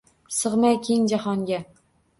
Sig’may keng jahonga